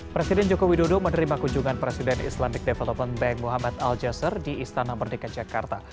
presiden joko widodo menerima kunjungan presiden islamic development bank muhammad al jazzer di istana merdeka jakarta